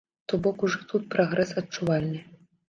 То бок ужо тут прагрэс адчувальны.